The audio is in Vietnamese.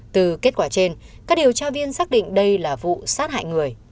từ kết quả trên các điều tra viên xác định đây là vụ sát hại người